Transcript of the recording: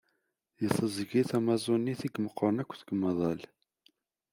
D tiẓgi Tamaẓunit i imeqqren akk deg umaḍal.